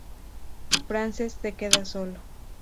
Francesc se queda solo.